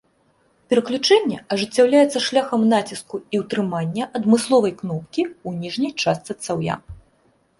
Пераключэнне ажыццяўляецца шляхам націску і ўтрымання адмысловай кнопкі ў ніжняй частцы цаўя.